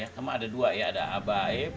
sama ada dua ya ada abaib